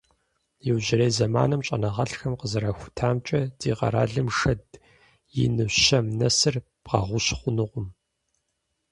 Иужьрей зэманым щӀэныгъэлӀхэм къызэрахутамкӀэ, ди къэралым шэд ину щэм нэсыр бгъэгъущ хъунукъым.